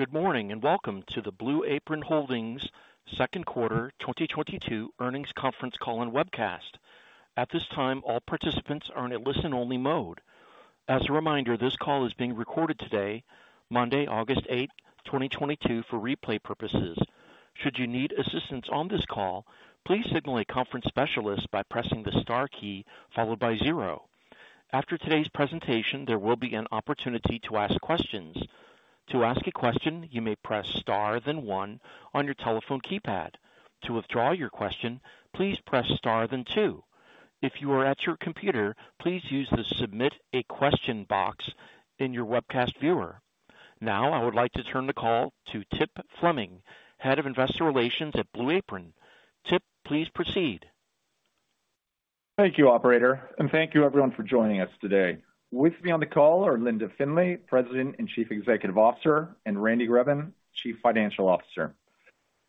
Good morning, and welcome to the Blue Apron Holdings second quarter 2022 earnings conference call and webcast. At this time, all participants are in a listen-only mode. As a reminder, this call is being recorded today, Monday, August 8, 2022, for replay purposes. Should you need assistance on this call, please signal a conference specialist by pressing the star key followed by zero. After today's presentation, there will be an opportunity to ask questions. To ask a question, you may press star, then one on your telephone keypad. To withdraw your question, please press star then two. If you are at your computer, please use the Submit a Question box in your webcast viewer. Now I would like to turn the call to Tip Fleming, Head of Investor Relations at Blue Apron. Tip, please proceed. Thank you, operator, and thank you everyone for joining us today. With me on the call are Linda Findley, President and Chief Executive Officer, and Randy Greben, Chief Financial Officer.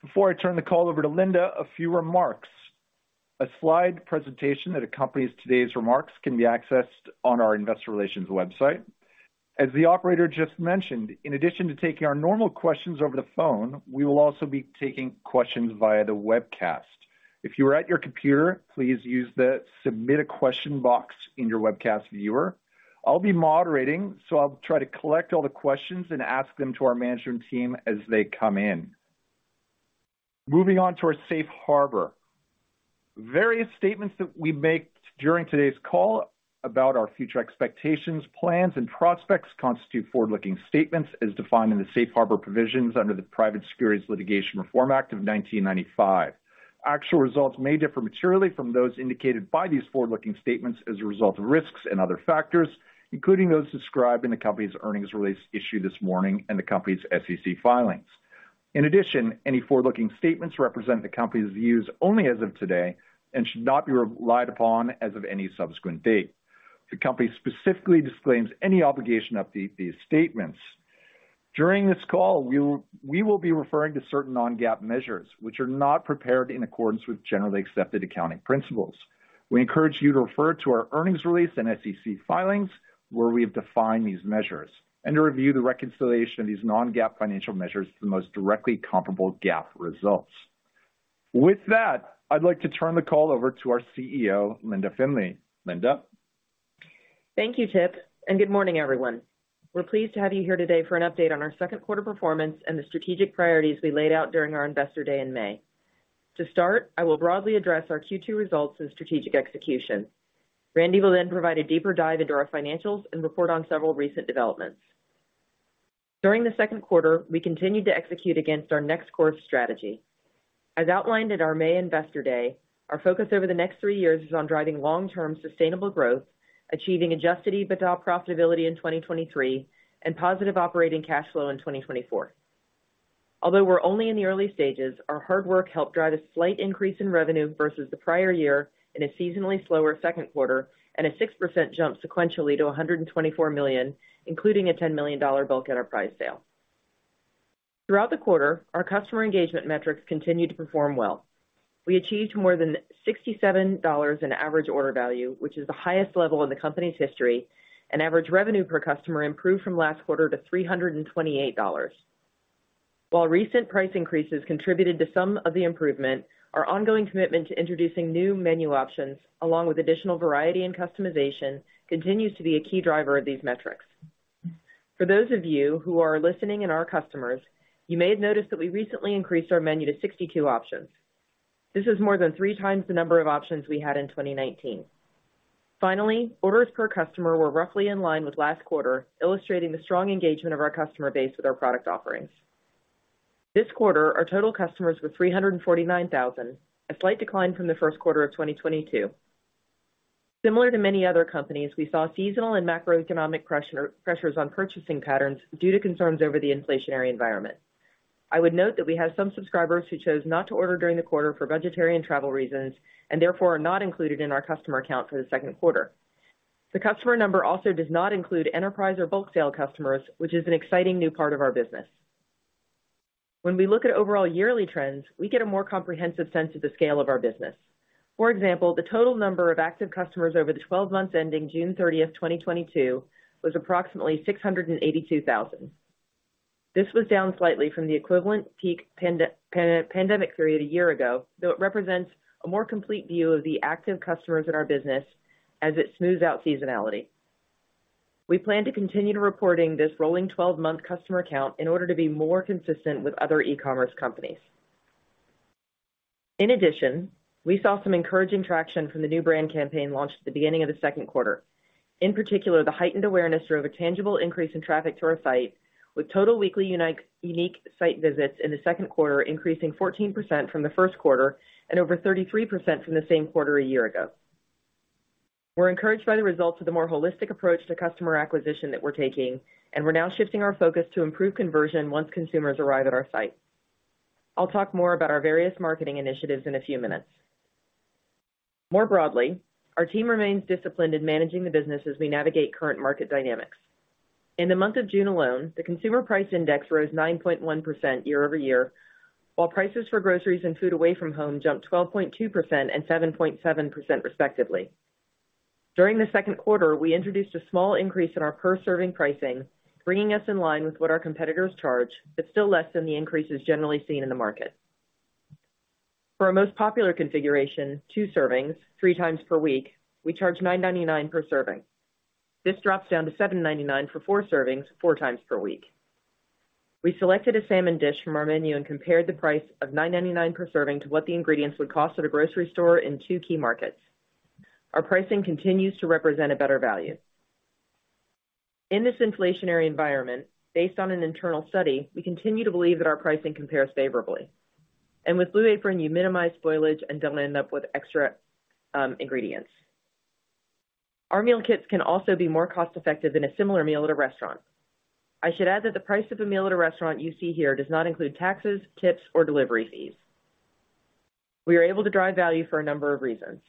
Before I turn the call over to Linda, a few remarks. A slide presentation that accompanies today's remarks can be accessed on our investor relations website. As the operator just mentioned, in addition to taking our normal questions over the phone, we will also be taking questions via the webcast. If you are at your computer, please use the Submit a Question box in your webcast viewer. I'll be moderating, so I'll try to collect all the questions and ask them to our management team as they come in. Moving on to our safe harbor. Various statements that we make during today's call about our future expectations, plans and prospects constitute forward-looking statements as defined in the safe harbor provisions under the Private Securities Litigation Reform Act of 1995. Actual results may differ materially from those indicated by these forward-looking statements as a result of risks and other factors, including those described in the company's earnings release issued this morning and the company's SEC filings. In addition, any forward-looking statements represent the company's views only as of today and should not be relied upon as of any subsequent date. The company specifically disclaims any obligation to update these statements. During this call, we will be referring to certain non-GAAP measures, which are not prepared in accordance with generally accepted accounting principles. We encourage you to refer to our earnings release and SEC filings, where we have defined these measures, and to review the reconciliation of these non-GAAP financial measures to the most directly comparable GAAP results. With that, I'd like to turn the call over to our CEO, Linda Findley. Linda? Thank you, Tip, and good morning, everyone. We're pleased to have you here today for an update on our second quarter performance and the strategic priorities we laid out during our Investor Day in May. To start, I will broadly address our Q2 results and strategic execution. Randy will then provide a deeper dive into our financials and report on several recent developments. During the second quarter, we continued to execute against our Next Course strategy. As outlined at our May Investor Day, our focus over the next three years is on driving long-term sustainable growth, achieving adjusted EBITDA profitability in 2023 and positive operating cash flow in 2024. Although we're only in the early stages, our hard work helped drive a slight increase in revenue versus the prior year in a seasonally slower second quarter, and a 6% jump sequentially to $124 million, including a $10 million bulk enterprise sale. Throughout the quarter, our customer engagement metrics continued to perform well. We achieved more than $67 in average order value, which is the highest level in the company's history, and average revenue per customer improved from last quarter to $328. While recent price increases contributed to some of the improvement, our ongoing commitment to introducing new menu options, along with additional variety and customization, continues to be a key driver of these metrics. For those of you who are listening and are customers, you may have noticed that we recently increased our menu to 62 options. This is more than three times the number of options we had in 2019. Finally, orders per customer were roughly in line with last quarter, illustrating the strong engagement of our customer base with our product offerings. This quarter, our total customers were 349,000, a slight decline from the first quarter of 2022. Similar to many other companies, we saw seasonal and macroeconomic pressure, pressures on purchasing patterns due to concerns over the inflationary environment. I would note that we have some subscribers who chose not to order during the quarter for budgetary and travel reasons, and therefore are not included in our customer count for the second quarter. The customer number also does not include enterprise or bulk sale customers, which is an exciting new part of our business. When we look at overall yearly trends, we get a more comprehensive sense of the scale of our business. For example, the total number of active customers over the twelve months ending June 30, 2022, was approximately 682,000. This was down slightly from the equivalent peak pandemic period a year ago, though it represents a more complete view of the active customers in our business as it smooths out seasonality. We plan to continue reporting this rolling twelve-month customer count in order to be more consistent with other e-commerce companies. In addition, we saw some encouraging traction from the new brand campaign launched at the beginning of the second quarter. In particular, the heightened awareness drove a tangible increase in traffic to our site, with total weekly unique site visits in the second quarter increasing 14% from the first quarter and over 33% from the same quarter a year ago. We're encouraged by the results of the more holistic approach to customer acquisition that we're taking, and we're now shifting our focus to improve conversion once consumers arrive at our site. I'll talk more about our various marketing initiatives in a few minutes. More broadly, our team remains disciplined in managing the business as we navigate current market dynamics. In the month of June alone, the Consumer Price Index rose 9.1% year-over-year, while prices for groceries and food away from home jumped 12.2% and 7.7% respectively. During the second quarter, we introduced a small increase in our per serving pricing, bringing us in line with what our competitors charge, but still less than the increases generally seen in the market. For our most popular configuration, two servings, three times per week, we charge $9.99 per serving. This drops down to $7.99 for four servings, four times per week. We selected a salmon dish from our menu and compared the price of $9.99 per serving to what the ingredients would cost at a grocery store in two key markets. Our pricing continues to represent a better value. In this inflationary environment, based on an internal study, we continue to believe that our pricing compares favorably. With Blue Apron, you minimize spoilage and don't end up with extra ingredients. Our meal kits can also be more cost effective than a similar meal at a restaurant. I should add that the price of a meal at a restaurant you see here does not include taxes, tips, or delivery fees. We are able to drive value for a number of reasons.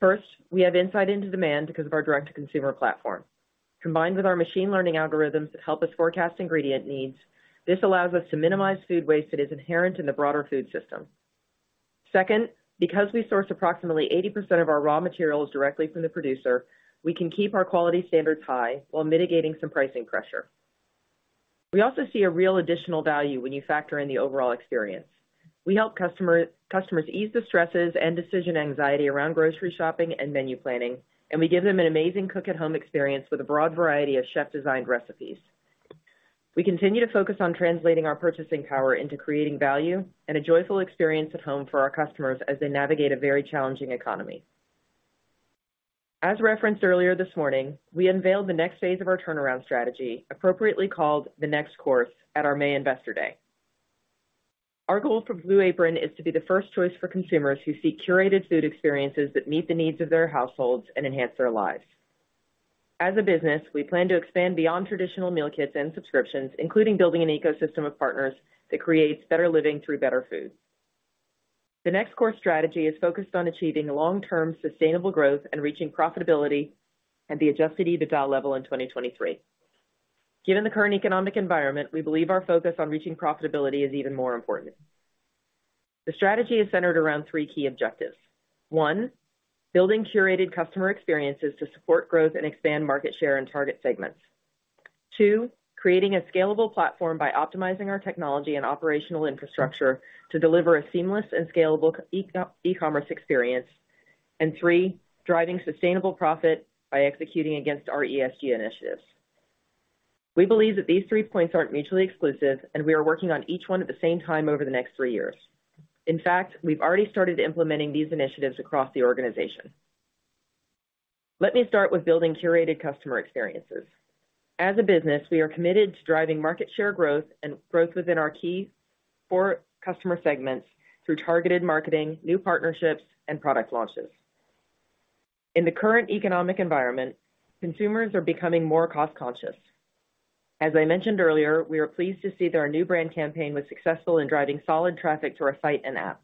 First, we have insight into demand because of our direct-to-consumer platform. Combined with our machine learning algorithms that help us forecast ingredient needs, this allows us to minimize food waste that is inherent in the broader food system. Second, because we source approximately 80% of our raw materials directly from the producer, we can keep our quality standards high while mitigating some pricing pressure. We also see a real additional value when you factor in the overall experience. We help customers ease the stresses and decision anxiety around grocery shopping and menu planning, and we give them an amazing cook at home experience with a broad variety of chef designed recipes. We continue to focus on translating our purchasing power into creating value and a joyful experience at home for our customers as they navigate a very challenging economy. As referenced earlier this morning, we unveiled the next phase of our turnaround strategy, appropriately called The Next Course, at our May Investor Day. Our goal for Blue Apron is to be the first choice for consumers who seek curated food experiences that meet the needs of their households and enhance their lives. As a business, we plan to expand beyond traditional meal kits and subscriptions, including building an ecosystem of partners that creates better living through better food. The Next Course strategy is focused on achieving long-term sustainable growth and reaching profitability at the adjusted EBITDA level in 2023. Given the current economic environment, we believe our focus on reaching profitability is even more important. The strategy is centered around three key objectives. One, building curated customer experiences to support growth and expand market share and target segments. Two, creating a scalable platform by optimizing our technology and operational infrastructure to deliver a seamless and scalable e-commerce experience. Three, driving sustainable profit by executing against our ESG initiatives. We believe that these three points aren't mutually exclusive, and we are working on each one at the same time over the next three years. In fact, we've already started implementing these initiatives across the organization. Let me start with building curated customer experiences. As a business, we are committed to driving market share growth and growth within our key four customer segments through targeted marketing, new partnerships, and product launches. In the current economic environment, consumers are becoming more cost conscious. As I mentioned earlier, we are pleased to see that our new brand campaign was successful in driving solid traffic to our site and app.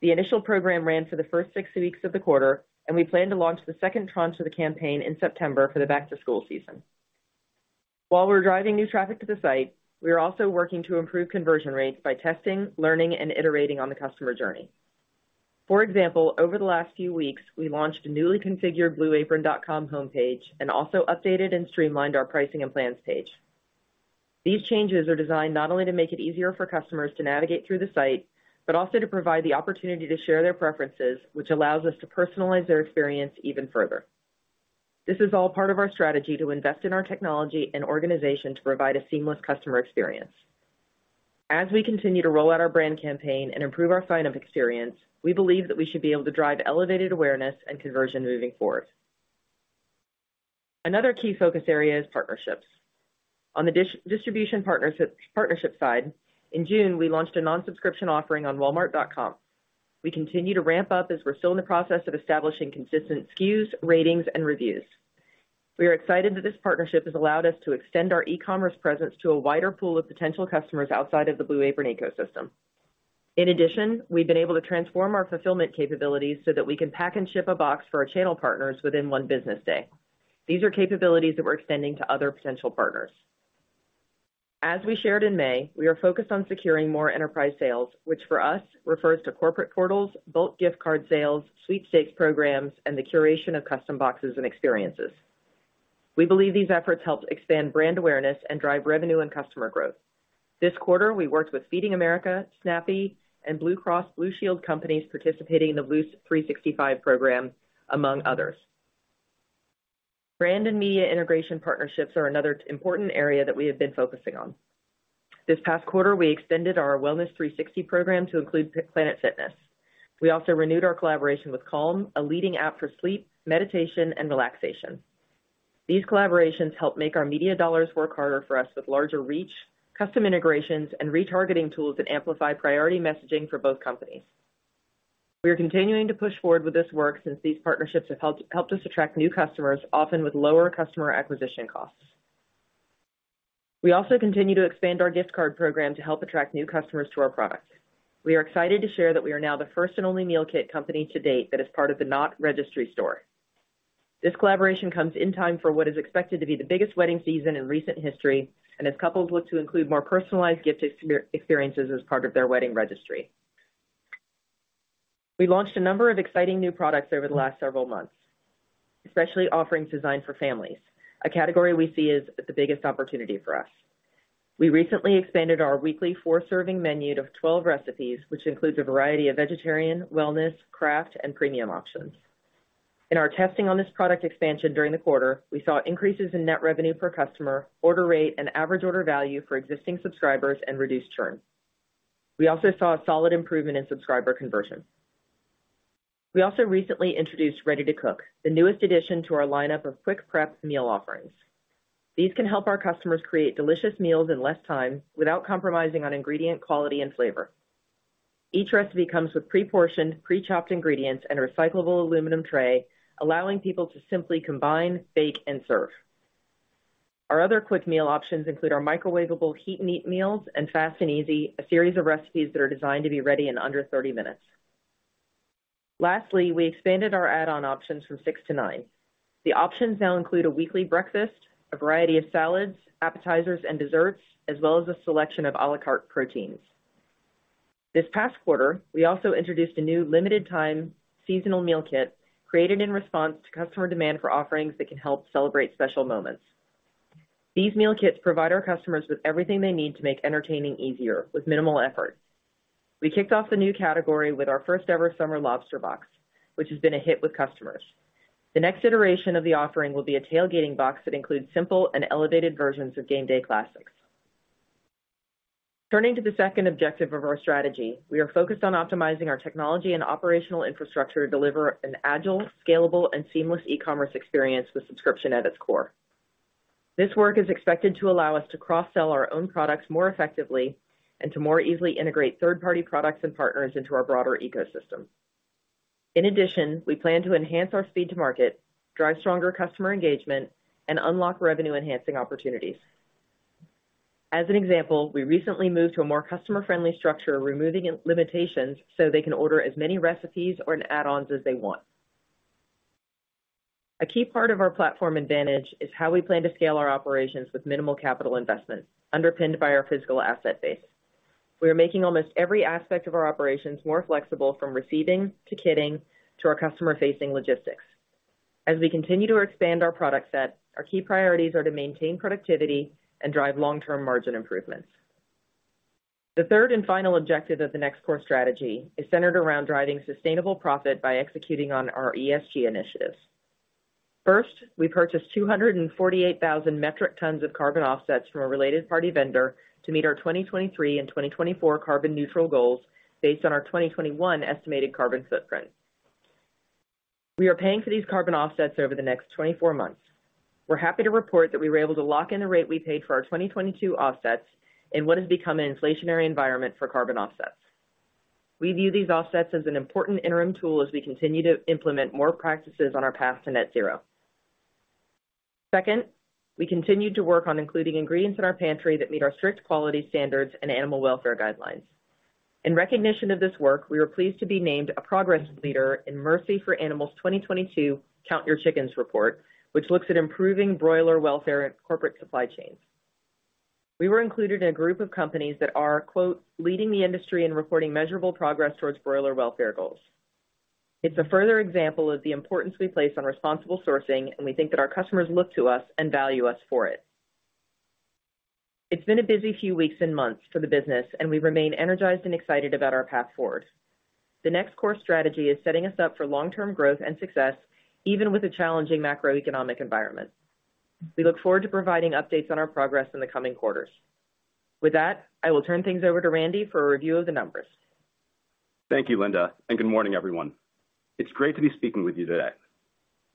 The initial program ran for the first six weeks of the quarter, and we plan to launch the second tranche of the campaign in September for the back-to-school season. While we're driving new traffic to the site, we are also working to improve conversion rates by testing, learning, and iterating on the customer journey. For example, over the last few weeks, we launched a newly configured blueapron.com homepage and also updated and streamlined our pricing and plans page. These changes are designed not only to make it easier for customers to navigate through the site, but also to provide the opportunity to share their preferences, which allows us to personalize their experience even further. This is all part of our strategy to invest in our technology and organization to provide a seamless customer experience. As we continue to roll out our brand campaign and improve our sign-up experience, we believe that we should be able to drive elevated awareness and conversion moving forward. Another key focus area is partnerships. On the distribution partnership side, in June, we launched a non-subscription offering on Walmart.com. We continue to ramp up as we're still in the process of establishing consistent SKUs, ratings, and reviews. We are excited that this partnership has allowed us to extend our e-commerce presence to a wider pool of potential customers outside of the Blue Apron ecosystem. In addition, we've been able to transform our fulfillment capabilities so that we can pack and ship a box for our channel partners within one business day. These are capabilities that we're extending to other potential partners. As we shared in May, we are focused on securing more enterprise sales, which for us refers to corporate portals, bulk gift card sales, sweepstakes programs, and the curation of custom boxes and experiences. We believe these efforts help expand brand awareness and drive revenue and customer growth. This quarter, we worked with Feeding America, Snappy, and Blue Cross Blue Shield companies participating in the Blue365 program, among others. Brand and media integration partnerships are another important area that we have been focusing on. This past quarter, we extended our Wellness 360 program to include Planet Fitness. We also renewed our collaboration with Calm, a leading app for sleep, meditation, and relaxation. These collaborations help make our media dollars work harder for us with larger reach, custom integrations, and retargeting tools that amplify priority messaging for both companies. We are continuing to push forward with this work since these partnerships have helped us attract new customers, often with lower customer acquisition costs. We also continue to expand our gift card program to help attract new customers to our products. We are excited to share that we are now the first and only meal kit company to date that is part of The Knot registry store. This collaboration comes in time for what is expected to be the biggest wedding season in recent history and is coupled with to include more personalized gift experiences as part of their wedding registry. We launched a number of exciting new products over the last several months, especially offerings designed for families, a category we see as the biggest opportunity for us. We recently expanded our weekly four-serving menu to 12 recipes, which includes a variety of vegetarian, wellness, craft and premium options. In our testing on this product expansion during the quarter, we saw increases in net revenue per customer, order rate and average order value for existing subscribers and reduced churn. We also saw a solid improvement in subscriber conversion. We also recently introduced Ready to Cook, the newest addition to our lineup of quick-prep meal offerings. These can help our customers create delicious meals in less time without compromising on ingredient quality and flavor. Each recipe comes with pre-portioned, pre-chopped ingredients and a recyclable aluminum tray, allowing people to simply combine, bake and serve. Our other quick meal options include our microwavable Heat & Eat meals and Fast & Easy, a series of recipes that are designed to be ready in under 30 minutes. Lastly, we expanded our add-on options from six to nine. The options now include a weekly breakfast, a variety of salads, appetizers and desserts, as well as a selection of à la carte proteins. This past quarter, we also introduced a new limited time seasonal meal kit created in response to customer demand for offerings that can help celebrate special moments. These meal kits provide our customers with everything they need to make entertaining easier with minimal effort. We kicked off the new category with our first ever summer lobster box, which has been a hit with customers. The next iteration of the offering will be a tailgating box that includes simple and elevated versions of game day classics. Turning to the second objective of our strategy, we are focused on optimizing our technology and operational infrastructure to deliver an agile, scalable and seamless e-commerce experience with subscription at its core. This work is expected to allow us to cross-sell our own products more effectively and to more easily integrate third-party products and partners into our broader ecosystem. In addition, we plan to enhance our speed to market, drive stronger customer engagement and unlock revenue enhancing opportunities. As an example, we recently moved to a more customer-friendly structure, removing limitations so they can order as many recipes or add-ons as they want. A key part of our platform advantage is how we plan to scale our operations with minimal capital investment, underpinned by our physical asset base. We are making almost every aspect of our operations more flexible, from receiving to kitting to our customer-facing logistics. As we continue to expand our product set, our key priorities are to maintain productivity and drive long-term margin improvements. The third and final objective of The Next Course strategy is centered around driving sustainable profit by executing on our ESG initiatives. First, we purchased 248,000 metric tons of carbon offsets from a related party vendor to meet our 2023 and 2024 carbon neutral goals based on our 2021 estimated carbon footprint. We are paying for these carbon offsets over the next 24 months. We're happy to report that we were able to lock in the rate we paid for our 2022 offsets in what has become an inflationary environment for carbon offsets. We view these offsets as an important interim tool as we continue to implement more practices on our path to net zero. Second, we continued to work on including ingredients in our pantry that meet our strict quality standards and animal welfare guidelines. In recognition of this work, we were pleased to be named a progress leader in Mercy For Animals' 2022 Count Your Chickens report, which looks at improving broiler welfare in corporate supply chains. We were included in a group of companies that are, quote, "leading the industry in reporting measurable progress towards broiler welfare goals". It's a further example of the importance we place on responsible sourcing, and we think that our customers look to us and value us for it. It's been a busy few weeks and months for the business and we remain energized and excited about our path forward. The Next Course strategy is setting us up for long-term growth and success, even with a challenging macroeconomic environment. We look forward to providing updates on our progress in the coming quarters. With that, I will turn things over to Randy for a review of the numbers. Thank you, Linda, and good morning, everyone. It's great to be speaking with you today.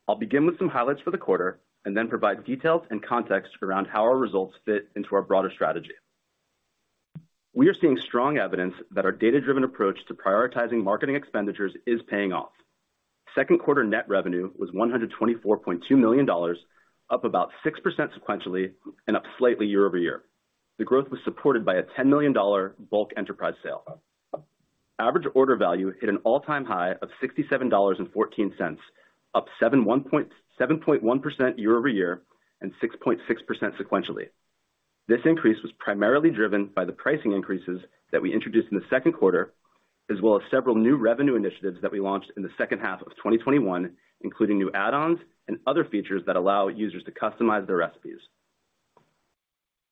I'll begin with some highlights for the quarter and then provide details and context around how our results fit into our broader strategy. We are seeing strong evidence that our data-driven approach to prioritizing marketing expenditures is paying off. Second quarter net revenue was $124.2 million, up about 6% sequentially and up slightly year-over-year. The growth was supported by a $10 million bulk enterprise sale. Average order value hit an all-time high of $67.14, up 7.1% year-over-year and 6.6% sequentially. This increase was primarily driven by the pricing increases that we introduced in the second quarter, as well as several new revenue initiatives that we launched in the second half of 2021, including new add-ons and other features that allow users to customize their recipes.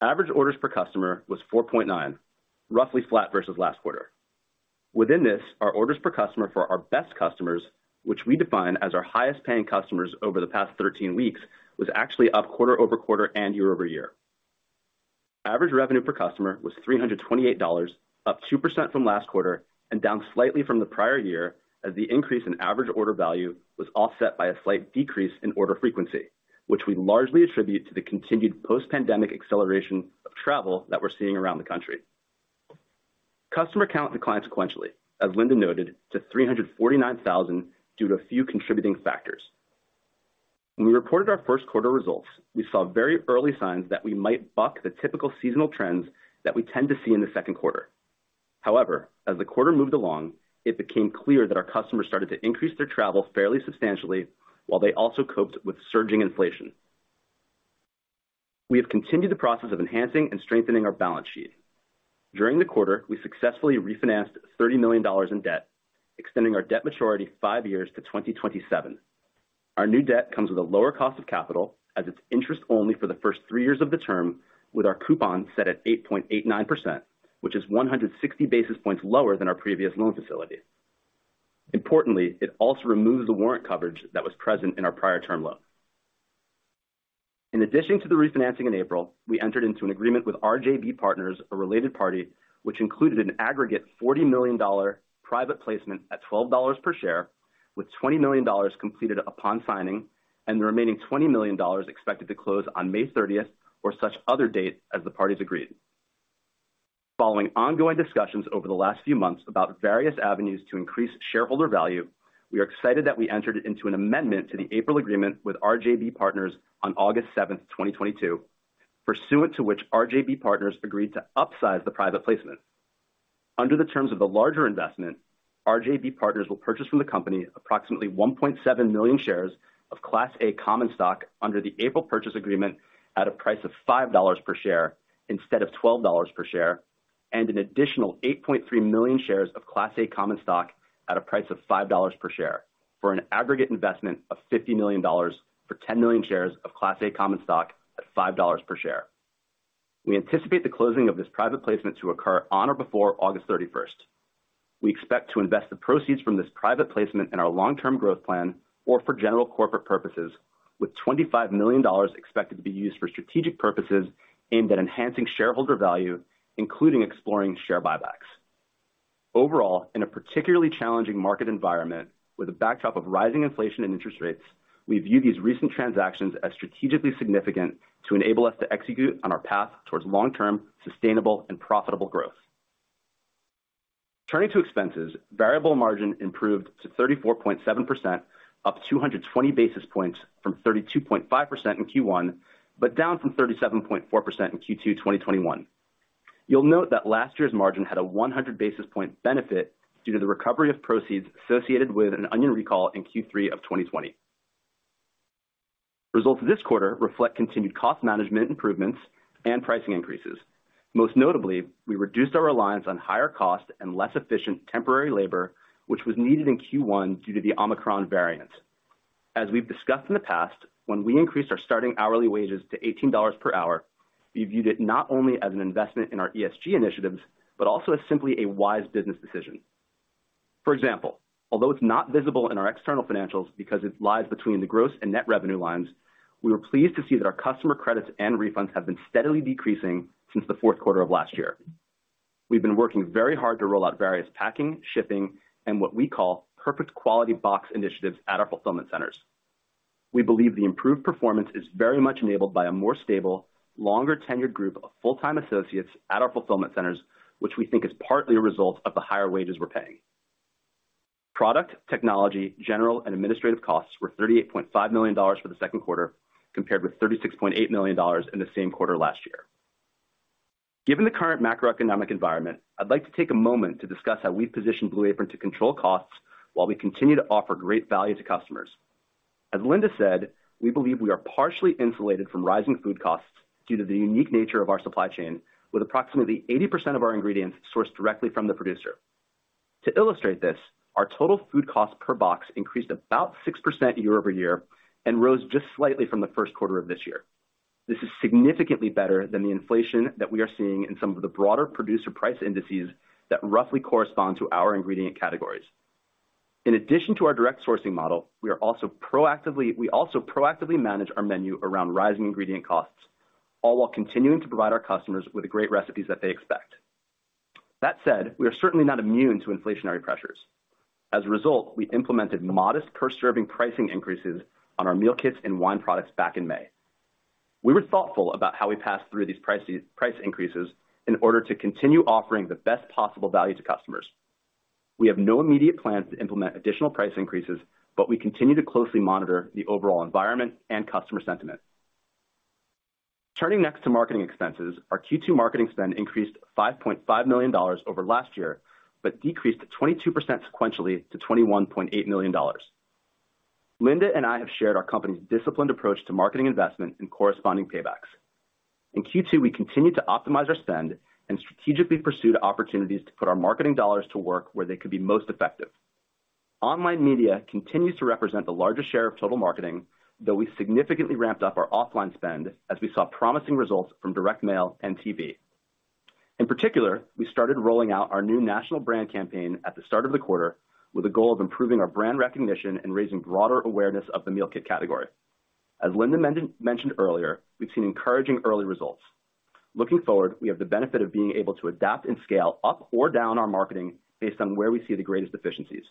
Average orders per customer was 4.9, roughly flat versus last quarter. Within this, our orders per customer for our best customers, which we define as our highest paying customers over the past 13 weeks, was actually up quarter-over-quarter and year-over-year. Average revenue per customer was $328, up 2% from last quarter and down slightly from the prior year as the increase in average order value was offset by a slight decrease in order frequency, which we largely attribute to the continued post-pandemic acceleration of travel that we're seeing around the country. Customer count declined sequentially, as Linda noted, to 349,000 due to a few contributing factors. When we reported our first quarter results, we saw very early signs that we might buck the typical seasonal trends that we tend to see in the second quarter. However, as the quarter moved along, it became clear that our customers started to increase their travel fairly substantially while they also coped with surging inflation. We have continued the process of enhancing and strengthening our balance sheet. During the quarter, we successfully refinanced $30 million in debt, extending our debt maturity five years to 2027. Our new debt comes with a lower cost of capital as it's interest only for the first three years of the term with our coupon set at 8.89%, which is 160 basis points lower than our previous loan facility. Importantly, it also removes the warrant coverage that was present in our prior term loan. In addition to the refinancing in April, we entered into an agreement with RJB Partners, a related party, which included an aggregate $40 million private placement at $12 per share, with $20 million completed upon signing and the remaining $20 million expected to close on May 30th or such other date as the parties agreed. Following ongoing discussions over the last few months about various avenues to increase shareholder value, we are excited that we entered into an amendment to the April agreement with RJB Partners on August 7, 2022, pursuant to which RJB Partners agreed to upsize the private placement. Under the terms of the larger investment, RJB Partners will purchase from the company approximately 1.7 million shares of Class A common stock under the April purchase agreement at a price of $5 per share instead of $12 per share, and an additional 8.3 million shares of Class A common stock at a price of $5 per share for an aggregate investment of $50 million for 10 million shares of Class A common stock at $5 per share. We anticipate the closing of this private placement to occur on or before August 31. We expect to invest the proceeds from this private placement in our long-term growth plan or for general corporate purposes, with $25 million expected to be used for strategic purposes aimed at enhancing shareholder value, including exploring share buybacks. Overall, in a particularly challenging market environment with a backdrop of rising inflation and interest rates, we view these recent transactions as strategically significant to enable us to execute on our path towards long-term, sustainable, and profitable growth. Turning to expenses, variable margin improved to 34.7%, up 220 basis points from 32.5% in Q1, but down from 37.4% in Q2 2021. You'll note that last year's margin had a 100 basis point benefit due to the recovery of proceeds associated with an onion recall in Q3 of 2020. Results this quarter reflect continued cost management improvements and pricing increases. Most notably, we reduced our reliance on higher cost and less efficient temporary labor, which was needed in Q1 due to the Omicron variant. As we've discussed in the past, when we increased our starting hourly wages to $18 per hour, we viewed it not only as an investment in our ESG initiatives, but also as simply a wise business decision. For example, although it's not visible in our external financials because it lies between the gross and net revenue lines, we were pleased to see that our customer credits and refunds have been steadily decreasing since the fourth quarter of last year. We've been working very hard to roll out various packing, shipping, and what we call perfect quality box initiatives at our fulfillment centers. We believe the improved performance is very much enabled by a more stable, longer tenured group of full-time associates at our fulfillment centers, which we think is partly a result of the higher wages we're paying. Product, technology, general, and administrative costs were $38.5 million for the second quarter, compared with $36.8 million in the same quarter last year. Given the current macroeconomic environment, I'd like to take a moment to discuss how we've positioned Blue Apron to control costs while we continue to offer great value to customers. As Linda said, we believe we are partially insulated from rising food costs due to the unique nature of our supply chain, with approximately 80% of our ingredients sourced directly from the producer. To illustrate this, our total food cost per box increased about 6% year-over-year and rose just slightly from the first quarter of this year. This is significantly better than the inflation that we are seeing in some of the broader Producer Price Indexes that roughly correspond to our ingredient categories. In addition to our direct sourcing model, we also proactively manage our menu around rising ingredient costs, all while continuing to provide our customers with the great recipes that they expect. That said, we are certainly not immune to inflationary pressures. As a result, we implemented modest per serving pricing increases on our meal kits and wine products back in May. We were thoughtful about how we passed through these price increases in order to continue offering the best possible value to customers. We have no immediate plans to implement additional price increases, but we continue to closely monitor the overall environment and customer sentiment. Turning next to marketing expenses. Our Q2 marketing spend increased $5.5 million over last year, but decreased 22% sequentially to $21.8 million. Linda and I have shared our company's disciplined approach to marketing investment and corresponding paybacks. In Q2, we continued to optimize our spend and strategically pursued opportunities to put our marketing dollars to work where they could be most effective. Online media continues to represent the largest share of total marketing, though we significantly ramped up our offline spend as we saw promising results from direct mail and TV. In particular, we started rolling out our new national brand campaign at the start of the quarter with the goal of improving our brand recognition and raising broader awareness of the meal kit category. As Linda mentioned earlier, we've seen encouraging early results. Looking forward, we have the benefit of being able to adapt and scale up or down our marketing based on where we see the greatest efficiencies.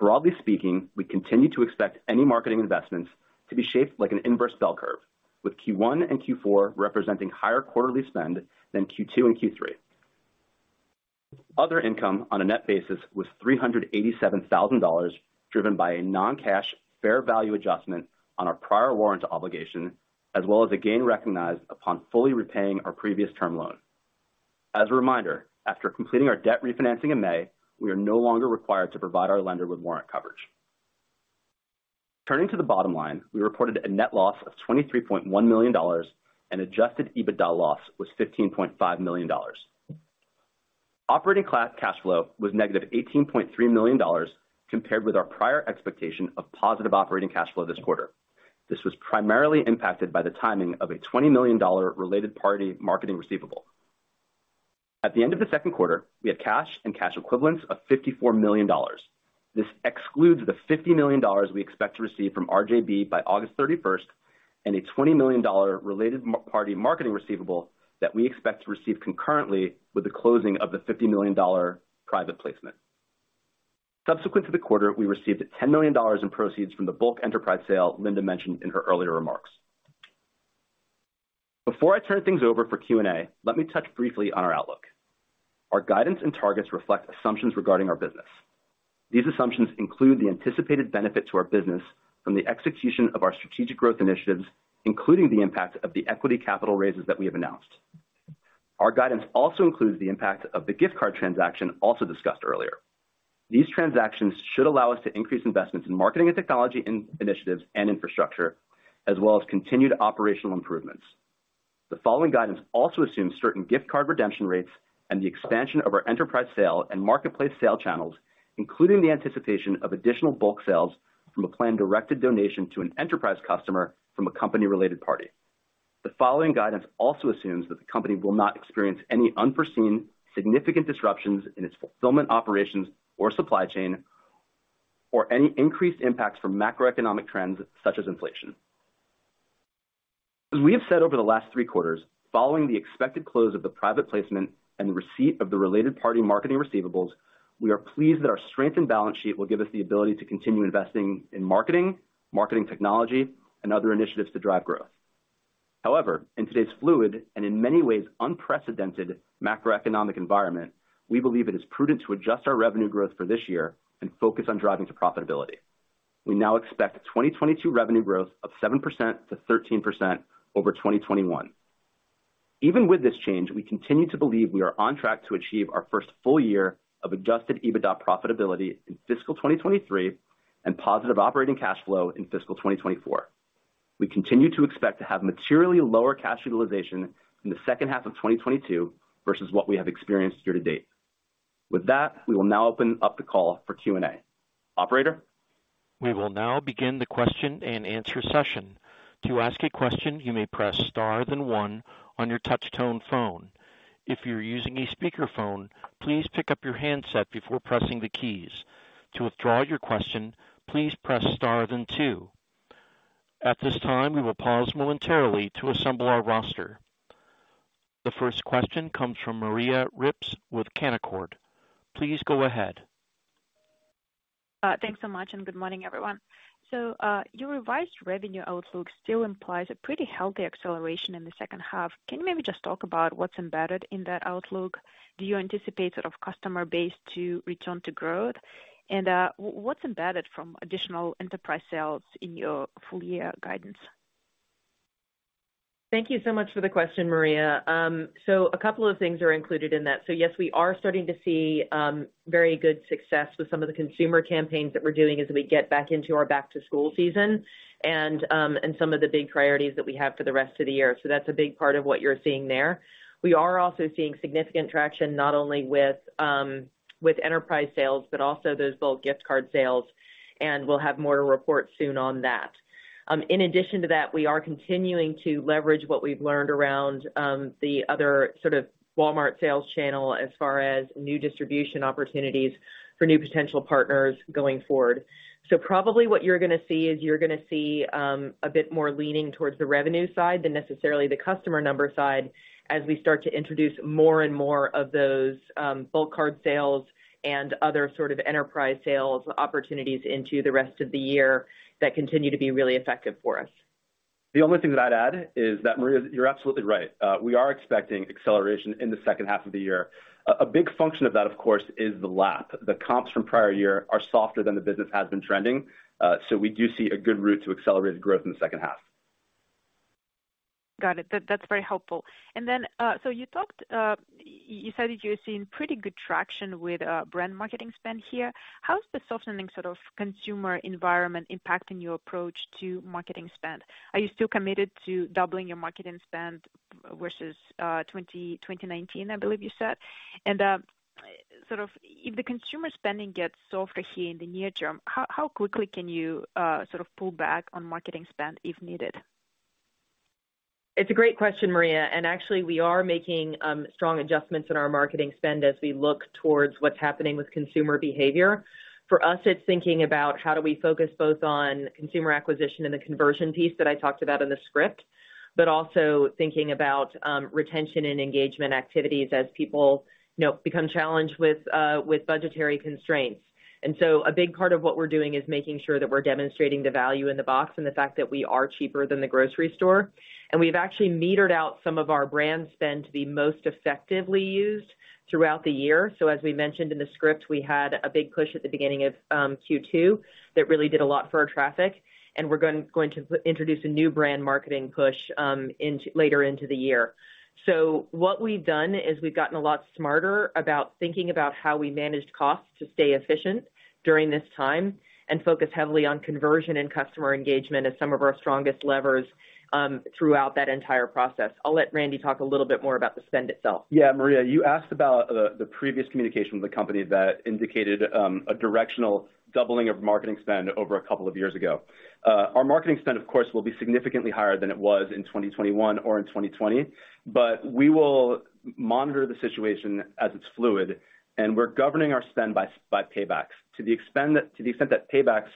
Broadly speaking, we continue to expect any marketing investments to be shaped like an inverse bell curve, with Q1 and Q4 representing higher quarterly spend than Q2 and Q3. Other income on a net basis was $387,000, driven by a non-cash fair value adjustment on our prior warrant obligation, as well as a gain recognized upon fully repaying our previous term loan. As a reminder, after completing our debt refinancing in May, we are no longer required to provide our lender with warrant coverage. Turning to the bottom line, we reported a net loss of $23.1 million, an adjusted EBITDA loss was $15.5 million. Operating cash flow was negative $18.3 million compared with our prior expectation of positive operating cash flow this quarter. This was primarily impacted by the timing of a $20 million related party marketing receivable. At the end of the second quarter, we had cash and cash equivalents of $54 million. This excludes the $50 million we expect to receive from RJB by August thirty-first and a $20 million related party marketing receivable that we expect to receive concurrently with the closing of the $50 million private placement. Subsequent to the quarter, we received $10 million in proceeds from the bulk enterprise sale Linda mentioned in her earlier remarks. Before I turn things over for Q&A, let me touch briefly on our outlook. Our guidance and targets reflect assumptions regarding our business. These assumptions include the anticipated benefit to our business from the execution of our strategic growth initiatives, including the impact of the equity capital raises that we have announced. Our guidance also includes the impact of the gift card transaction, also discussed earlier. These transactions should allow us to increase investments in marketing and technology initiatives and infrastructure, as well as continued operational improvements. The following guidance also assumes certain gift card redemption rates and the expansion of our enterprise sale and marketplace sale channels, including the anticipation of additional bulk sales from a planned directed donation to an enterprise customer from a company-related party. The following guidance also assumes that the company will not experience any unforeseen significant disruptions in its fulfillment operations or supply chain, or any increased impacts from macroeconomic trends such as inflation. As we have said over the last three quarters, following the expected close of the private placement and receipt of the related party marketing receivables, we are pleased that our strength and balance sheet will give us the ability to continue investing in marketing technology and other initiatives to drive growth. However, in today's fluid, and in many ways, unprecedented macroeconomic environment, we believe it is prudent to adjust our revenue growth for this year and focus on driving to profitability. We now expect 2022 revenue growth of 7%-13% over 2021. Even with this change, we continue to believe we are on track to achieve our first full year of adjusted EBITDA profitability in fiscal 2023 and positive operating cash flow in fiscal 2024. We continue to expect to have materially lower cash utilization in the second half of 2022 versus what we have experienced year to date. With that, we will now open up the call for Q&A. Operator? We will now begin the question and answer session. To ask a question, you may press star then one on your touch tone phone. If you're using a speakerphone, please pick up your handset before pressing the keys. To withdraw your question, please press star then two. At this time, we will pause momentarily to assemble our roster. The first question comes from Maria Ripps with Canaccord. Please go ahead. Thanks so much, and good morning, everyone. Your revised revenue outlook still implies a pretty healthy acceleration in the second half. Can you maybe just talk about what's embedded in that outlook? Do you anticipate sort of customer base to return to growth? What's embedded from additional enterprise sales in your full year guidance? Thank you so much for the question, Maria. A couple of things are included in that. Yes, we are starting to see very good success with some of the consumer campaigns that we're doing as we get back into our back to school season and some of the big priorities that we have for the rest of the year. That's a big part of what you're seeing there. We are also seeing significant traction, not only with enterprise sales, but also those bulk gift card sales, and we'll have more to report soon on that. In addition to that, we are continuing to leverage what we've learned around the other sort of Walmart sales channel as far as new distribution opportunities for new potential partners going forward. Probably what you're gonna see is a bit more leaning towards the revenue side than necessarily the customer number side as we start to introduce more and more of those bulk card sales and other sort of enterprise sales opportunities into the rest of the year that continue to be really effective for us. The only thing that I'd add is that, Maria, you're absolutely right. We are expecting acceleration in the second half of the year. A big function of that, of course, is the lapping. The comps from prior year are softer than the business has been trending, so we do see a good route to accelerated growth in the second half. Got it. That's very helpful. So you talked, you said that you're seeing pretty good traction with brand marketing spend here. How is the softening sort of consumer environment impacting your approach to marketing spend? Are you still committed to doubling your marketing spend versus 2019, I believe you said? If the consumer spending gets softer here in the near term, how quickly can you sort of pull back on marketing spend if needed? It's a great question, Maria. Actually, we are making strong adjustments in our marketing spend as we look towards what's happening with consumer behavior. For us, it's thinking about how do we focus both on consumer acquisition and the conversion piece that I talked about in the script, but also thinking about retention and engagement activities as people, you know, become challenged with budgetary constraints. A big part of what we're doing is making sure that we're demonstrating the value in the box and the fact that we are cheaper than the grocery store. We've actually metered out some of our brand spend to be most effectively used throughout the year. As we mentioned in the script, we had a big push at the beginning of Q2 that really did a lot for our traffic, and we're going to introduce a new brand marketing push later into the year. What we've done is we've gotten a lot smarter about thinking about how we manage costs to stay efficient during this time and focus heavily on conversion and customer engagement as some of our strongest levers throughout that entire process. I'll let Randy talk a little bit more about the spend itself. Yeah. Maria, you asked about the previous communication with the company that indicated a directional doubling of marketing spend over a couple of years ago. Our marketing spend, of course, will be significantly higher than it was in 2021 or in 2020. We will monitor the situation as it's fluid, and we're governing our spend by paybacks. To the extent that paybacks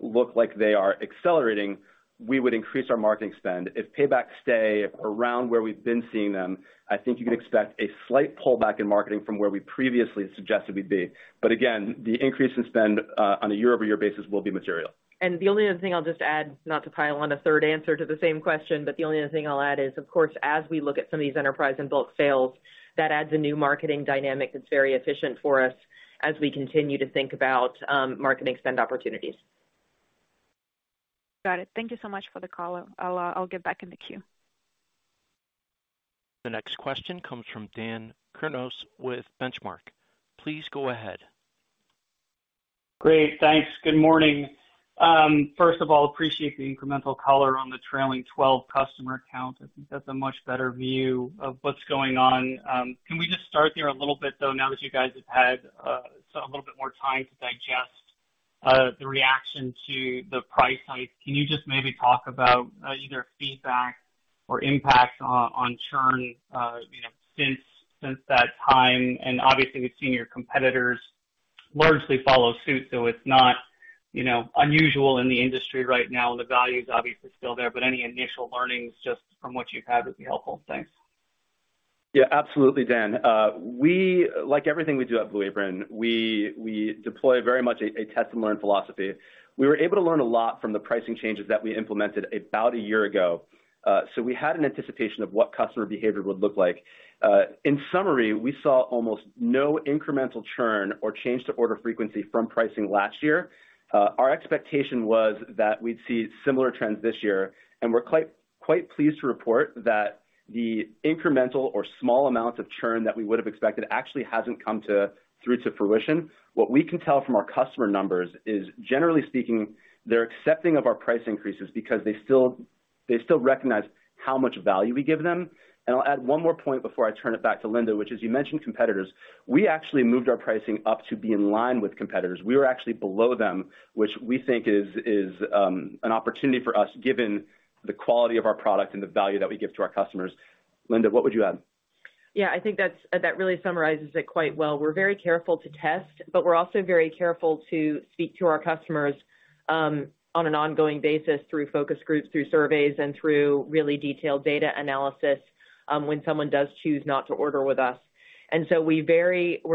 look like they are accelerating, we would increase our marketing spend. If paybacks stay around where we've been seeing them, I think you can expect a slight pullback in marketing from where we previously suggested we'd be. Again, the increase in spend on a year-over-year basis will be material. The only other thing I'll just add, not to pile on a third answer to the same question, but the only other thing I'll add is, of course, as we look at some of these enterprise and bulk sales, that adds a new marketing dynamic that's very efficient for us as we continue to think about, marketing spend opportunities. Got it. Thank you so much for the call. I'll get back in the queue. The next question comes from Daniel Kurnos with Benchmark. Please go ahead. Great. Thanks. Good morning. First of all, appreciate the incremental color on the trailing twelve customer count. I think that's a much better view of what's going on. Can we just start there a little bit, though, now that you guys have had a little bit more time to digest the reaction to the price hike? Can you just maybe talk about either feedback or impact on churn, you know, since that time? Obviously, we've seen your competitors largely follow suit, so it's not, you know, unusual in the industry right now. The value is obviously still there, but any initial learnings just from what you've had would be helpful. Thanks. Yeah, absolutely, Dan. Like everything we do at Blue Apron, we deploy very much a test and learn philosophy. We were able to learn a lot from the pricing changes that we implemented about a year ago. We had an anticipation of what customer behavior would look like. In summary, we saw almost no incremental churn or change to order frequency from pricing last year. Our expectation was that we'd see similar trends this year, and we're quite pleased to report that the incremental or small amounts of churn that we would have expected actually hasn't come to fruition. What we can tell from our customer numbers is, generally speaking, they're accepting of our price increases because they still recognize how much value we give them. I'll add one more point before I turn it back to Linda, which is you mentioned competitors. We actually moved our pricing up to be in line with competitors. We were actually below them, which we think is an opportunity for us, given the quality of our product and the value that we give to our customers. Linda, what would you add? Yeah, I think that really summarizes it quite well. We're very careful to test, but we're also very careful to speak to our customers on an ongoing basis through focus groups, through surveys, and through really detailed data analysis when someone does choose not to order with us. We're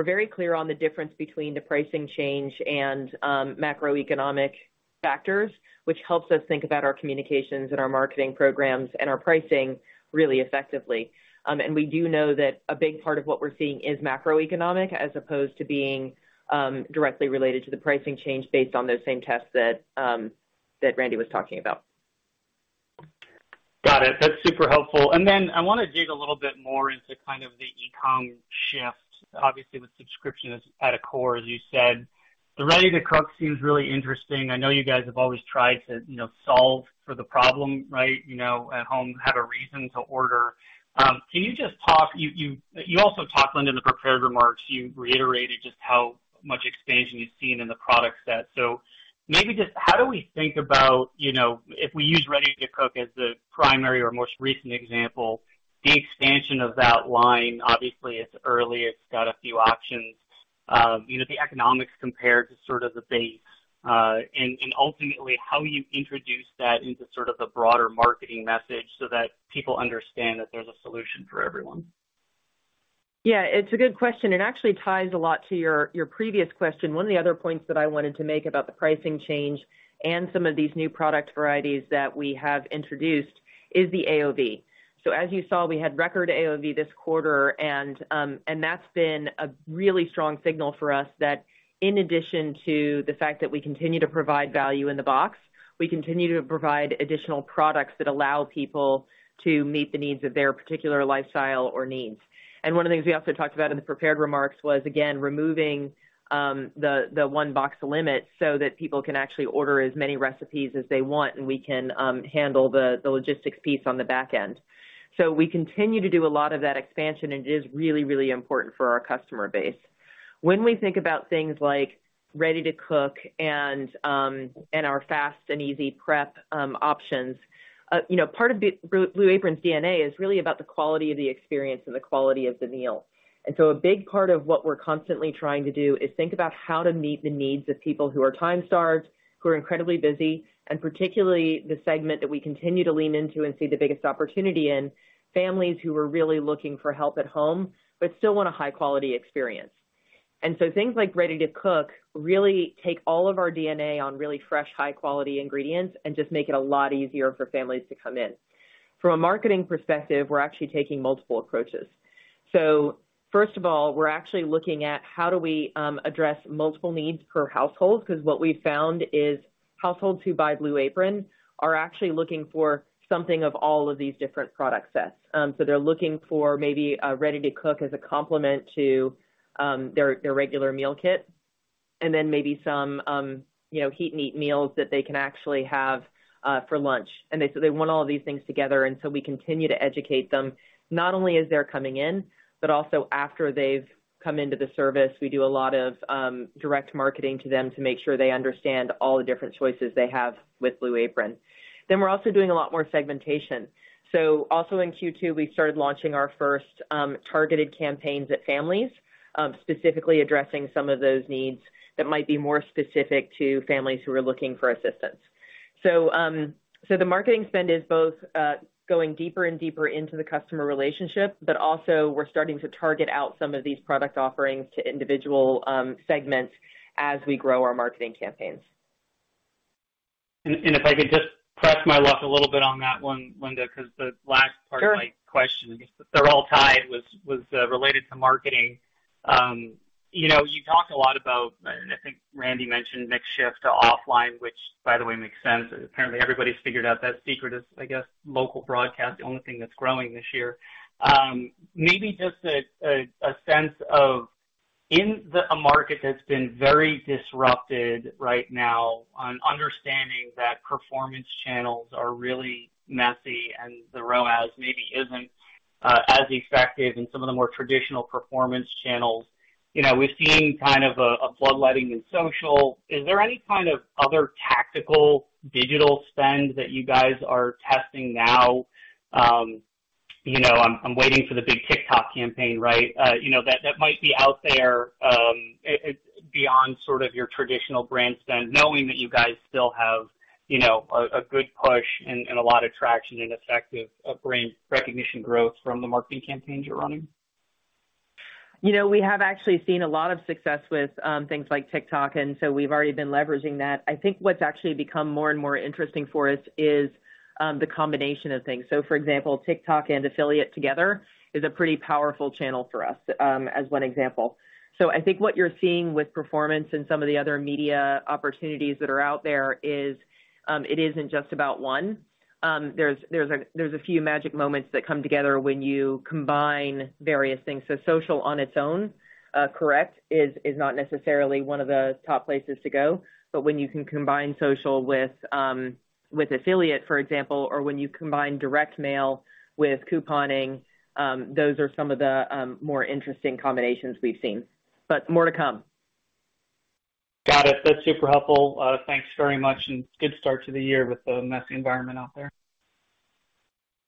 very clear on the difference between the pricing change and macroeconomic factors, which helps us think about our communications and our marketing programs and our pricing really effectively. We do know that a big part of what we're seeing is macroeconomic as opposed to being directly related to the pricing change based on those same tests that Randy was talking about. Got it. That's super helpful. Then I wanna dig a little bit more into kind of the e-com shift. Obviously, with subscriptions at its core, as you said. The Ready to Cook seems really interesting. I know you guys have always tried to, you know, solve for the problem, right? You know, at home, have a reason to order. You also talked, Linda, in the prepared remarks. You reiterated just how much expansion you've seen in the product set. Maybe just how do we think about, you know, if we use Ready to Cook as the primary or most recent example, the expansion of that line. Obviously, it's early. It's got a few options. You know, the economics compared to sort of the base, and ultimately how you introduce that into sort of the broader marketing message so that people understand that there's a solution for everyone. Yeah, it's a good question, and actually ties a lot to your previous question. One of the other points that I wanted to make about the pricing change and some of these new product varieties that we have introduced is the AOV. As you saw, we had record AOV this quarter and that's been a really strong signal for us that in addition to the fact that we continue to provide value in the box, we continue to provide additional products that allow people to meet the needs of their particular lifestyle or needs. One of the things we also talked about in the prepared remarks was, again, removing the one box limit so that people can actually order as many recipes as they want, and we can handle the logistics piece on the back end. We continue to do a lot of that expansion, and it is really, really important for our customer base. When we think about things like Ready to Cook and our Fast & Easy prep options, you know, part of Blue Apron's DNA is really about the quality of the experience and the quality of the meal. A big part of what we're constantly trying to do is think about how to meet the needs of people who are time-starved, who are incredibly busy, and particularly the segment that we continue to lean into and see the biggest opportunity in, families who are really looking for help at home but still want a high-quality experience. Things like Ready to Cook really take all of our DNA on really fresh, high quality ingredients and just make it a lot easier for families to come in. From a marketing perspective, we're actually taking multiple approaches. First of all, we're actually looking at how do we address multiple needs per household, because what we found is households who buy Blue Apron are actually looking for something of all of these different product sets. They're looking for maybe a Ready to Cook as a complement to their regular meal kit, and then maybe some you know Heat & Eat meals that they can actually have for lunch. They said they want all of these things together, and so we continue to educate them, not only as they're coming in, but also after they've come into the service. We do a lot of direct marketing to them to make sure they understand all the different choices they have with Blue Apron. We're also doing a lot more segmentation. Also in Q2, we started launching our first targeted campaigns at families specifically addressing some of those needs that might be more specific to families who are looking for assistance. The marketing spend is both going deeper and deeper into the customer relationship, but also we're starting to target out some of these product offerings to individual segments as we grow our marketing campaigns. If I could just press my luck a little bit on that one, Linda, because the last part Sure. Of my question, I guess they're all tied, was related to marketing. You know, you talked a lot about, and I think Randy mentioned mix shift to offline, which by the way, makes sense. Apparently, everybody's figured out that secret is, I guess, local broadcast, the only thing that's growing this year. Maybe just a sense of in a market that's been very disrupted right now on understanding that performance channels are really messy and the ROAS maybe isn't as effective in some of the more traditional performance channels. You know, we've seen kind of a bloodletting in social. Is there any kind of other tactical digital spend that you guys are testing now? You know, I'm waiting for the big TikTok campaign, right? You know, that might be out there, it beyond sort of your traditional brand spend, knowing that you guys still have, you know, a good push and a lot of traction and effective brand recognition growth from the marketing campaigns you're running. You know, we have actually seen a lot of success with things like TikTok, and so we've already been leveraging that. I think what's actually become more and more interesting for us is the combination of things. For example, TikTok and affiliate together is a pretty powerful channel for us, as one example. I think what you're seeing with performance and some of the other media opportunities that are out there is it isn't just about one. There's a few magic moments that come together when you combine various things. Social on its own, correct, is not necessarily one of the top places to go. When you can combine social with affiliate, for example, or when you combine direct mail with couponing, those are some of the more interesting combinations we've seen. More to come. Got it. That's super helpful. Thanks very much, and good start to the year with the messy environment out there.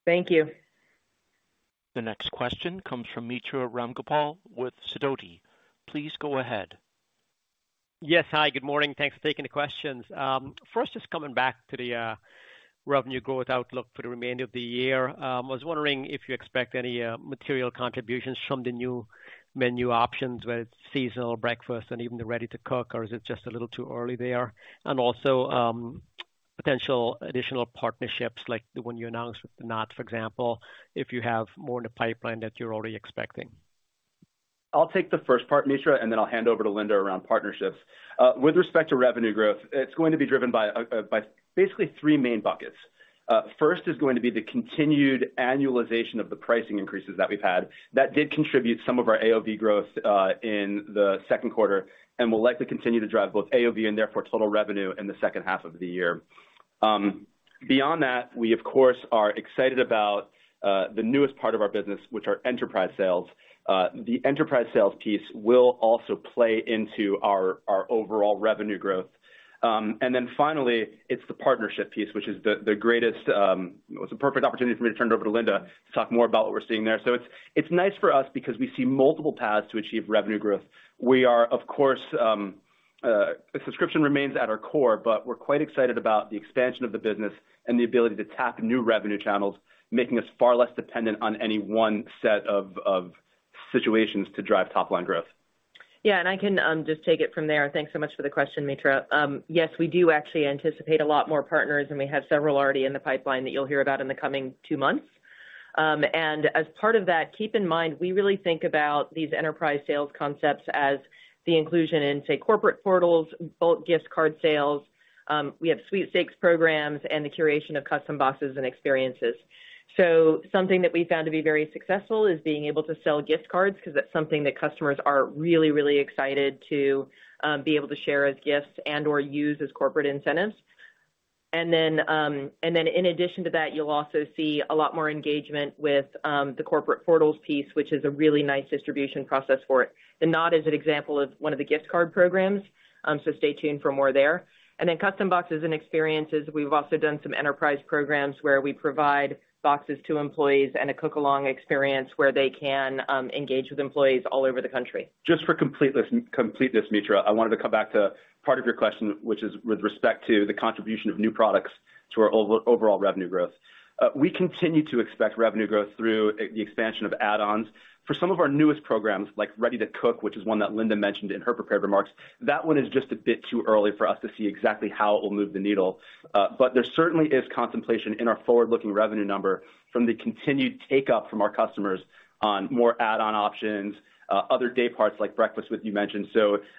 Thank you. The next question comes from Mitra Ramgopal with Sidoti. Please go ahead. Yes. Hi, good morning. Thanks for taking the questions. First, just coming back to the revenue growth outlook for the remainder of the year. Was wondering if you expect any material contributions from the new menu options, whether it's seasonal, breakfast, and even the Ready to Cook, or is it just a little too early there? Also, potential additional partnerships like the one you announced with The Knot, for example, if you have more in the pipeline that you're already expecting? I'll take the first part, Mitra, and then I'll hand over to Linda around partnerships. With respect to revenue growth, it's going to be driven by basically three main buckets. First is going to be the continued annualization of the pricing increases that we've had. That did contribute some of our AOV growth in the second quarter and will likely continue to drive both AOV and therefore total revenue in the second half of the year. Beyond that, we of course are excited about the newest part of our business, which are enterprise sales. The enterprise sales piece will also play into our overall revenue growth. Finally, it's the partnership piece, which is the greatest. It's a perfect opportunity for me to turn it over to Linda to talk more about what we're seeing there. It's nice for us because we see multiple paths to achieve revenue growth. Of course, subscription remains at our core, but we're quite excited about the expansion of the business and the ability to tap new revenue channels, making us far less dependent on any one set of situations to drive top-line growth. Yeah. I can just take it from there. Thanks so much for the question, Mitra. Yes, we do actually anticipate a lot more partners, and we have several already in the pipeline that you'll hear about in the coming two months. As part of that, keep in mind, we really think about these enterprise sales concepts as the inclusion in, say, corporate portals, bulk gift card sales. We have sweepstakes programs and the curation of custom boxes and experiences. Something that we found to be very successful is being able to sell gift cards because that's something that customers are really, really excited to be able to share as gifts and/or use as corporate incentives. In addition to that, you'll also see a lot more engagement with the corporate portals piece, which is a really nice distribution process for it. The Knot is an example of one of the gift card programs, so stay tuned for more there. Custom boxes and experiences. We've also done some enterprise programs where we provide boxes to employees and a cook-along experience where they can engage with employees all over the country. Just for completeness, Mitra, I wanted to come back to part of your question, which is with respect to the contribution of new products to our overall revenue growth. We continue to expect revenue growth through the expansion of add-ons. For some of our newest programs, like Ready to Cook, which is one that Linda mentioned in her prepared remarks, that one is just a bit too early for us to see exactly how it will move the needle. But there certainly is contemplation in our forward-looking revenue number from the continued take-up from our customers on more add-on options, other day parts like breakfast, which you mentioned.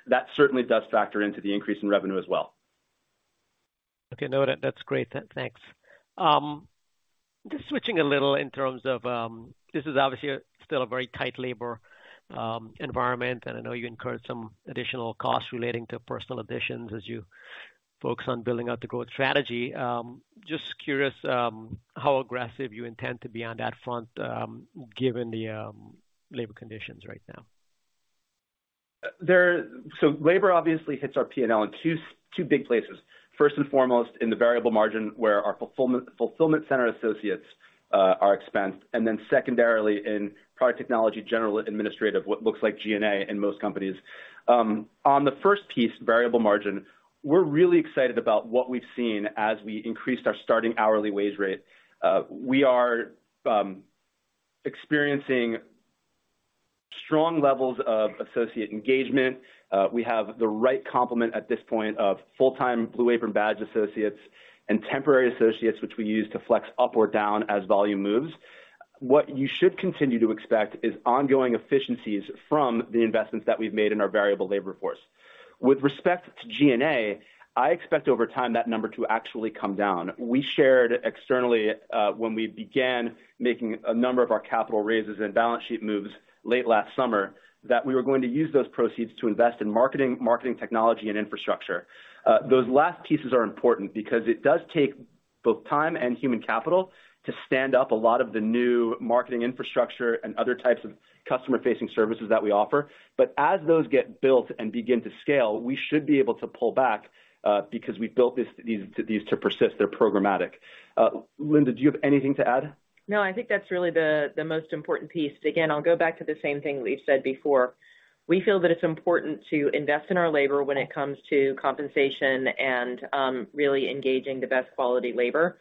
That certainly does factor into the increase in revenue as well. Okay. No, that's great. Thanks. Just switching a little in terms of this is obviously still a very tight labor environment, and I know you incurred some additional costs relating to personnel additions as you focus on building out the growth strategy. Just curious how aggressive you intend to be on that front, given the labor conditions right now. Labor obviously hits our P&L in two big places. First and foremost, in the variable margin where our fulfillment center associates are expensed, and then secondarily in product technology, general administrative, what looks like G&A in most companies. On the first piece, variable margin, we're really excited about what we've seen as we increased our starting hourly wage rate. We are experiencing strong levels of associate engagement. We have the right complement at this point of full-time Blue Apron badge associates and temporary associates, which we use to flex up or down as volume moves. What you should continue to expect is ongoing efficiencies from the investments that we've made in our variable labor force. With respect to G&A, I expect over time that number to actually come down. We shared externally, when we began making a number of our capital raises and balance sheet moves late last summer, that we were going to use those proceeds to invest in marketing technology and infrastructure. Those last pieces are important because it does take both time and human capital to stand up a lot of the new marketing infrastructure and other types of customer facing services that we offer. As those get built and begin to scale, we should be able to pull back, because we built these to persist. They're programmatic. Linda, do you have anything to add? No, I think that's really the most important piece. Again, I'll go back to the same thing we've said before. We feel that it's important to invest in our labor when it comes to compensation and really engaging the best quality labor.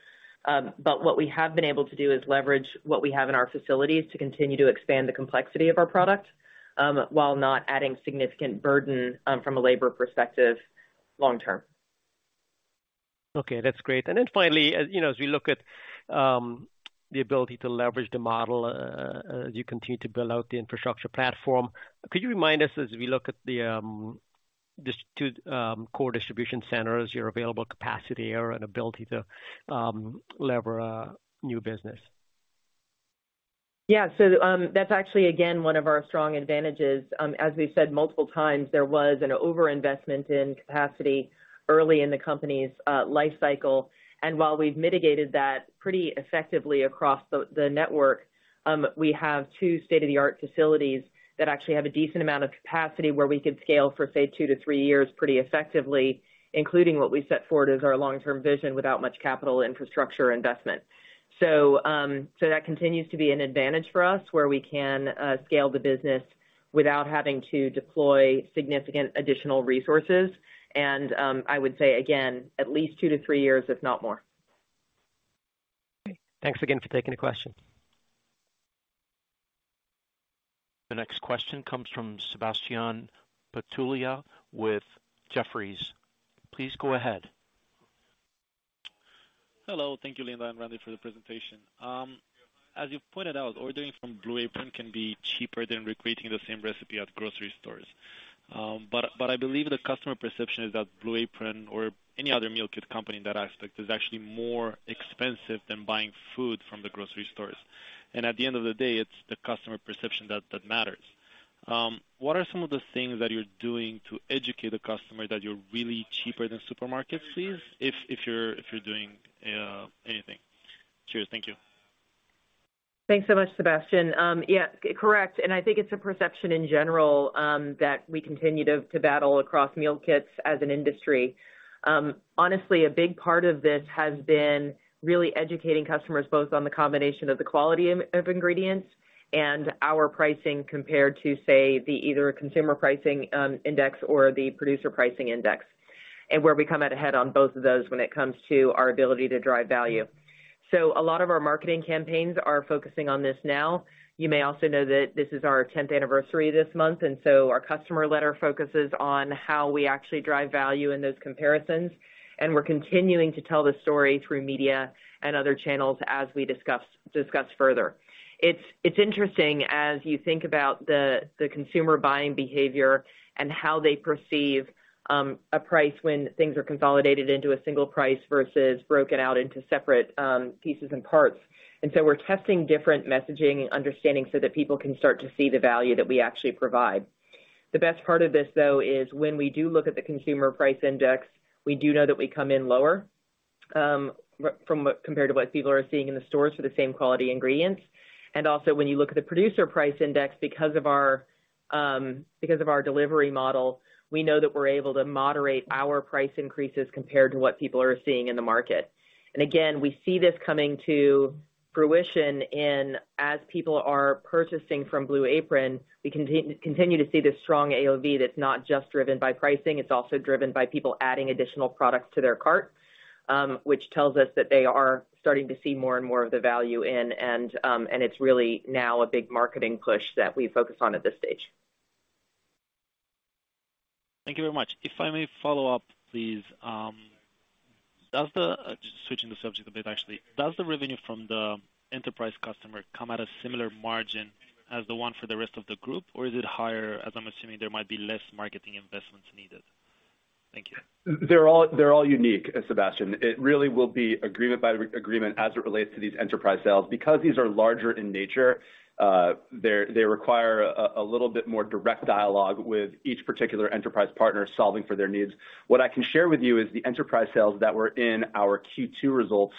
What we have been able to do is leverage what we have in our facilities to continue to expand the complexity of our product while not adding significant burden from a labor perspective long term. Okay, that's great. Finally, as you know, as we look at the ability to leverage the model, as you continue to build out the infrastructure platform, could you remind us as we look at the just two core distribution centers, your available capacity or an ability to leverage a new business? Yeah. That's actually, again, one of our strong advantages. As we've said multiple times, there was an overinvestment in capacity early in the company's life cycle. While we've mitigated that pretty effectively across the network, we have two state-of-the-art facilities that actually have a decent amount of capacity where we could scale for, say, two-three years pretty effectively, including what we set forward as our long-term vision without much capital infrastructure investment. That continues to be an advantage for us where we can scale the business without having to deploy significant additional resources. I would say again, at least two-three years, if not more. Okay. Thanks again for taking the question. The next question comes from Sebastian Patulea with Jefferies. Please go ahead. Hello. Thank you, Linda and Randy, for the presentation. As you pointed out, ordering from Blue Apron can be cheaper than recreating the same recipe at grocery stores. But I believe the customer perception is that Blue Apron or any other meal kit company in that aspect is actually more expensive than buying food from the grocery stores. At the end of the day, it's the customer perception that matters. What are some of the things that you're doing to educate the customer that you're really cheaper than supermarkets? If you're doing anything? Cheers. Thank you. Thanks so much, Sebastian. Yeah, correct. I think it's a perception in general that we continue to battle across meal kits as an industry. Honestly, a big part of this has been really educating customers both on the combination of the quality of ingredients and our pricing compared to, say, the Consumer Price Index or the Producer Price Index, and where we come out ahead on both of those when it comes to our ability to drive value. A lot of our marketing campaigns are focusing on this now. You may also know that this is our tenth anniversary this month, and our customer letter focuses on how we actually drive value in those comparisons. We're continuing to tell the story through media and other channels as we discuss further. It's interesting as you think about the consumer buying behavior and how they perceive a price when things are consolidated into a single price versus broken out into separate pieces and parts. We're testing different messaging and understanding so that people can start to see the value that we actually provide. The best part of this, though, is when we do look at the Consumer Price Index, we do know that we come in lower compared to what people are seeing in the stores for the same quality ingredients. When you look at the Producer Price Index, because of our delivery model, we know that we're able to moderate our price increases compared to what people are seeing in the market. Again, we see this coming to fruition in, as people are purchasing from Blue Apron, we continue to see this strong AOV that's not just driven by pricing. It's also driven by people adding additional products to their cart, which tells us that they are starting to see more and more of the value in and it's really now a big marketing push that we focus on at this stage. Thank you very much. If I may follow up, please. Just switching the subject a bit, actually. Does the revenue from the enterprise customer come at a similar margin as the one for the rest of the group, or is it higher, as I'm assuming there might be less marketing investments needed? They're all unique, Sebastian Patulea. It really will be agreement by agreement as it relates to these enterprise sales. Because these are larger in nature, they require a little bit more direct dialogue with each particular enterprise partner solving for their needs. What I can share with you is the enterprise sales that were in our Q2 results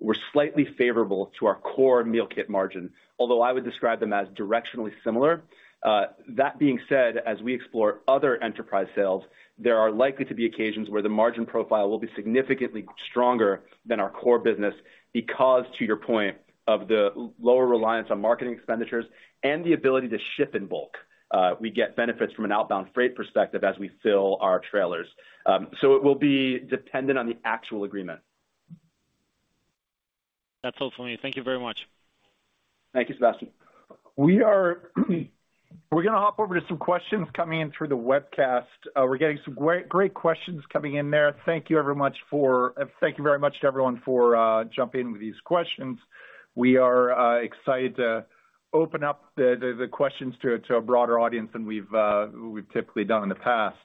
were slightly favorable to our core meal kit margin, although I would describe them as directionally similar. That being said, as we explore other enterprise sales, there are likely to be occasions where the margin profile will be significantly stronger than our core business because, to your point, of the lower reliance on marketing expenditures and the ability to ship in bulk. We get benefits from an outbound freight perspective as we fill our trailers. It will be dependent on the actual agreement. That's all for me. Thank you very much. Thank you, Sebastian. We're gonna hop over to some questions coming in through the webcast. We're getting some great questions coming in there. Thank you very much to everyone for jumping in with these questions. We are excited to open up the questions to a broader audience than we've typically done in the past.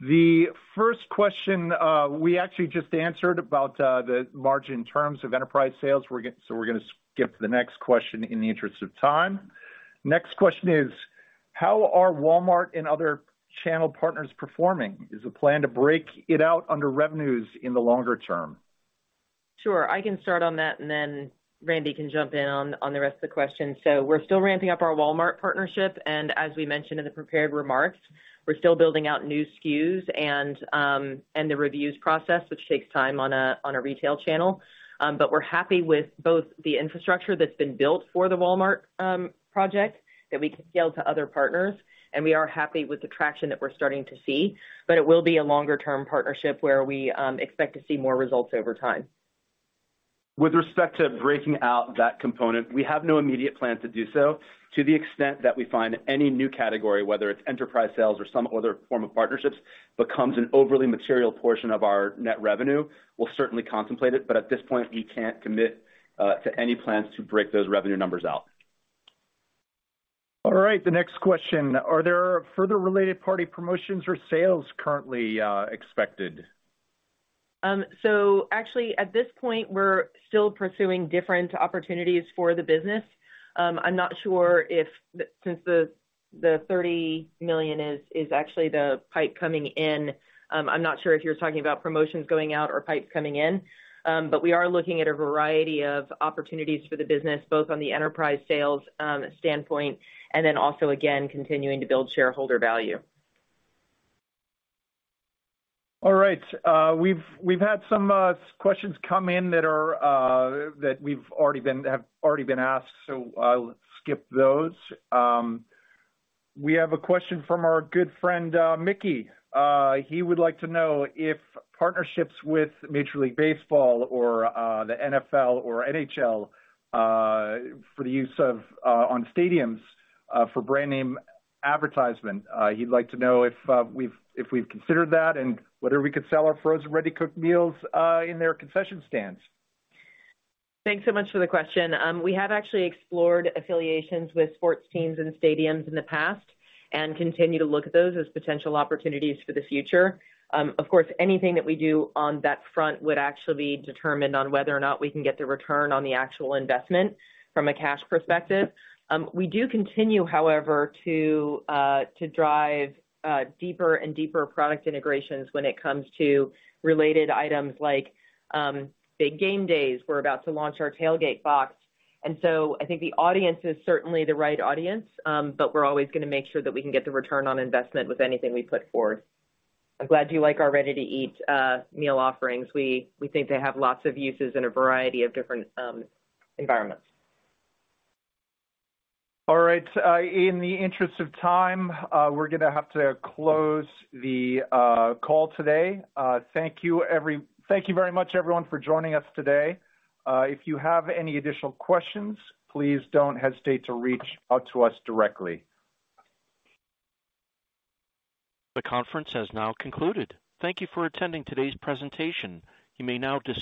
The first question we actually just answered about the margin in terms of enterprise sales, so we're gonna skip to the next question in the interest of time. Next question is how are Walmart and other channel partners performing? Is the plan to break it out under revenues in the longer term? Sure. I can start on that, and then Randy can jump in on the rest of the question. We're still ramping up our Walmart partnership, and as we mentioned in the prepared remarks, we're still building out new SKUs and the reviews process, which takes time on a retail channel. We're happy with both the infrastructure that's been built for the Walmart project that we can scale to other partners, and we are happy with the traction that we're starting to see. It will be a longer term partnership where we expect to see more results over time. With respect to breaking out that component, we have no immediate plan to do so. To the extent that we find any new category, whether it's enterprise sales or some other form of partnerships, becomes an overly material portion of our net revenue, we'll certainly contemplate it, but at this point, we can't commit to any plans to break those revenue numbers out. All right, the next question: are there further related party promotions or sales currently expected? Actually at this point, we're still pursuing different opportunities for the business. I'm not sure. Since the $30 million is actually the PIPE coming in, I'm not sure if you're talking about promotions going out or PIPEs coming in. We are looking at a variety of opportunities for the business, both on the enterprise sales standpoint and then also, again, continuing to build shareholder value. All right. We've had some questions come in that have already been asked, so I'll skip those. We have a question from our good friend, Mickey. He would like to know if partnerships with Major League Baseball or the NFL or NHL for the use on stadiums for brand name advertisement. He'd like to know if we've considered that and whether we could sell our frozen Ready to Cook meals in their concession stands. Thanks so much for the question. We have actually explored affiliations with sports teams and stadiums in the past and continue to look at those as potential opportunities for the future. Of course, anything that we do on that front would actually be determined on whether or not we can get the return on the actual investment from a cash perspective. We do continue, however, to drive deeper and deeper product integrations when it comes to related items like big game days. We're about to launch our tailgate box. I think the audience is certainly the right audience, but we're always gonna make sure that we can get the return on investment with anything we put forward. I'm glad you like our ready-to-eat meal offerings. We think they have lots of uses in a variety of different environments. All right. In the interest of time, we're gonna have to close the call today. Thank you very much, everyone, for joining us today. If you have any additional questions, please don't hesitate to reach out to us directly. The conference has now concluded. Thank you for attending today's presentation. You may now disconnect.